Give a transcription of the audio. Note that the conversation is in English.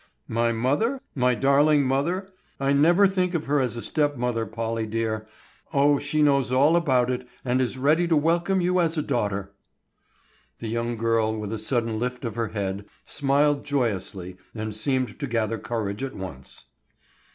"My mother? My darling mother? I never think of her as a stepmother, Polly dear. Oh, she knows all about it and is ready to welcome you as a daughter." The young girl, with a sudden lift of her head, smiled joyously and seemed to gather courage at once.